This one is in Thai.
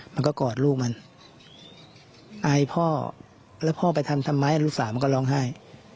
มันก็กอดลูกมันอายพ่อแล้วพ่อไปทำทำไมลูกสาวมันก็ร้องไห้